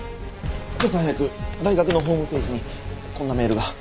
今朝早く大学のホームページにこんなメールが。